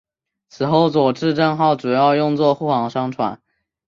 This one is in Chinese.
此后佐治镇号主要用作护航商船。